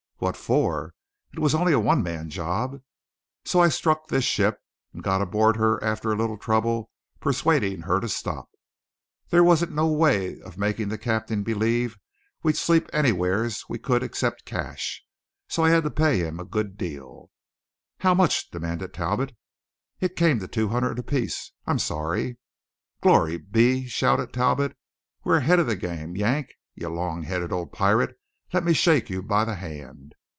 "What for? It was only a one man job. So then I struck this ship, and got aboard her after a little trouble persuading her to stop. There wasn't no way of making that captain believe we'd sleep anywheres we could except cash; so I had to pay him a good deal." "How much?" demanded Talbot. "It came to two hundred apiece. I'm sorry." "Glory be!" shouted Talbot, "we're ahead of the game. Yank, you long headed old pirate, let me shake you by the hand!"